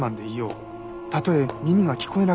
たとえ耳が聞こえなくなっても。